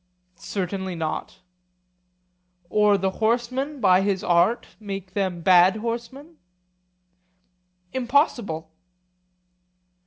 Certainly not. Or the horseman by his art make them bad horsemen? Impossible.